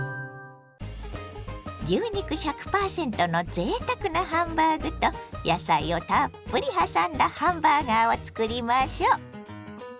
牛肉１００％のぜいたくなハンバーグと野菜をたっぷりはさんだハンバーガーをつくりましょ。